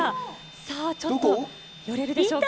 さあ、ちょっと、寄れるでしょうか。